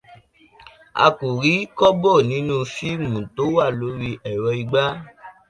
A kò rí kọ́bọ̀ nínú fíìmù tó wà lórí ẹ̀rọ igbá.